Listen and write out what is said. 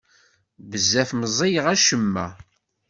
Bezzaf meẓẓiyeɣ acemma.